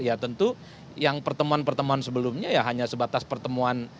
ya tentu yang pertemuan pertemuan sebelumnya ya hanya sebatas pertemuan